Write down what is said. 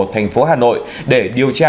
thành phố hà nội để điều tra